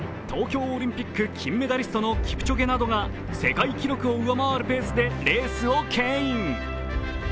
東京オリンピック金メダリストのキプチョゲなどが世界記録を上回るペースでレースをけん引。